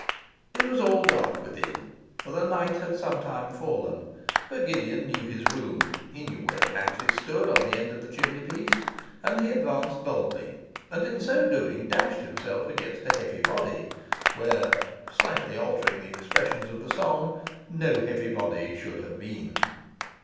It was all dark within, for the night had some time fallen; but Gideon knew his room, he knew where the matches stood on the end of the chimney piece; and he advanced boldly, and in so doing dashed himself against a heavy body; where (slightly altering the expressions of the song) no heavy body should have been.